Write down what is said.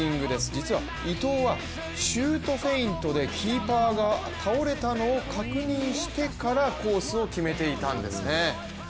実は伊東はシュートフェイントでキーパーが倒れたのを確認してからコースを決めていたんですね。